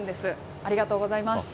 ありがとうございます。